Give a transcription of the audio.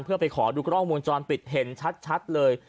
เพื่อไปขอดูกล้องวงจรปิดเห็นชัดเลย